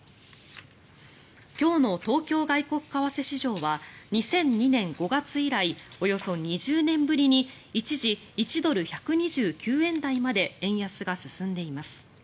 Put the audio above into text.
今日の東京外国為替市場は２００２年５月以来およそ２０年ぶりに一時、１ドル＝１２９円台まで円安が進んでいます。